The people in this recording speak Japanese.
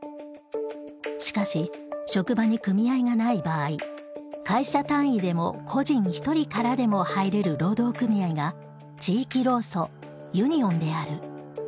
しかし職場に組合がない場合会社単位でも個人１人からでも入れる労働組合が地域労組ユニオンである。